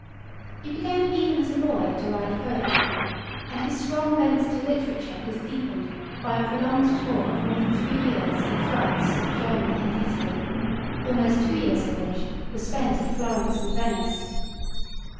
He began even as a boy to write poetry, and his strong bent to literature was deepened by a prolonged tour of more than three years in France, Germany and Italy, almost two years of which were spent at Florence and Venice.